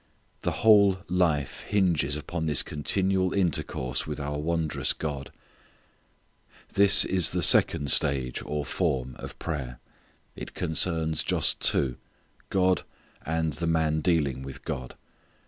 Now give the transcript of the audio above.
The whole life hinges upon this continual intercourse with our wondrous God. This is the second stage or form of prayer. It concerns just two: God and the man dealing with God.